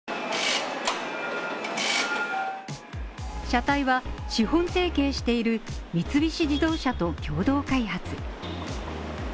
車体は資本提携している三菱自動車と共同開発。